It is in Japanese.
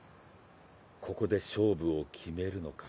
ここで勝負を決めるのか。